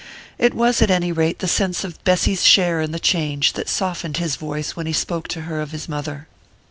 It was, at any rate, the sense of Bessy's share in the change that softened his voice when he spoke of her to his mother.